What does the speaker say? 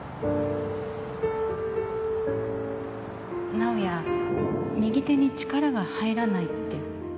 直哉右手に力が入らないって